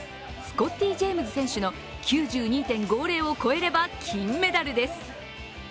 スコッティ・ジェームズ選手の９２．５０を超えれば金メダルです。